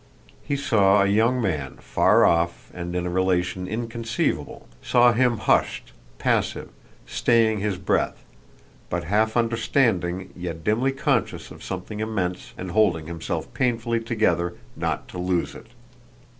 He saw a young man far off and in a relation inconceivable, saw him hushed, passive, staying his breath, but half understanding, yet dimly conscious of something immense and holding himself painfully together not to lose it.